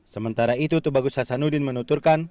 sementara itu t b hasanuddin menuturkan